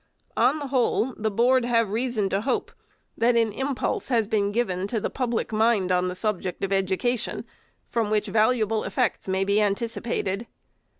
On the whole, the Board have reason to hope, that an impulse has been given to the public mind on the subject of education, from which valuable effects may be anticipated.